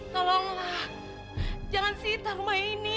tolonglah jangan sita rumah ini